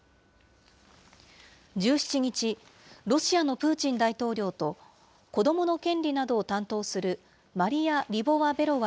１７日、ロシアのプーチン大統領と子どもの権利などを担当するマリヤ・リボワベロワ